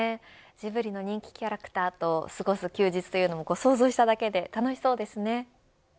ジブリの人気キャラクターと過ごす休日も想像しただけで楽しそうですね。